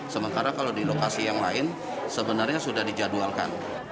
sementara kalau di lokasi yang lain sebenarnya sudah dijadwalkan